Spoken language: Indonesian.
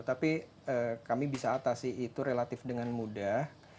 tapi kami bisa atasi itu relatif dengan mudah